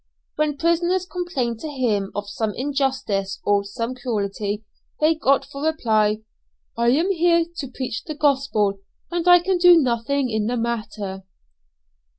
When prisoners complained to him of some injustice or some cruelty, they got for reply: "I am here to preach the Gospel, and I can do nothing in the matter."